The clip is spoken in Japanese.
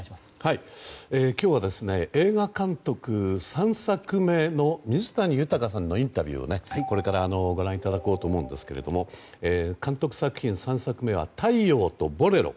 今日は映画監督３作目の水谷豊さんのインタビューをこれからご覧いただこうと思うんですが監督作品３作目は「太陽とボレロ」。